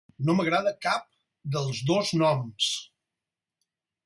No m’agrada cap dels dos noms.